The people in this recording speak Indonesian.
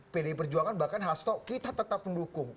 pdi perjuangan bahkan hasto kita tetap mendukung